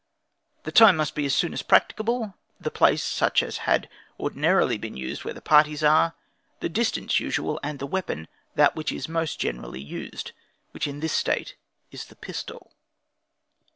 The time must e as soon as practicable, the place such as had ordinarily been used where the parties are, the distance usual, and the weapons that which is most generally used, which, in this State, is the pistol.